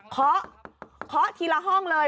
เคาะเคาะทีละห้องเลย